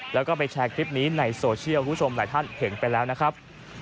แล้วก็ไปแชร์คลิปนี้ในโซเชียลคุณผู้ชมหลายท่านเห็นไปแล้วนะครับ